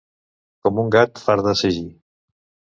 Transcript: Com un gat fart de sagí.